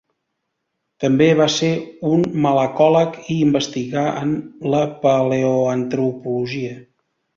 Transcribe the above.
També va ser un malacòleg i investigà en la paleoantropologia.